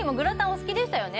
お好きでしたよね？